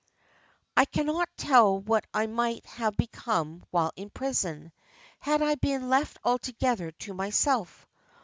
"I cannot tell what I might have become while in prison, had I been left altogether to myself.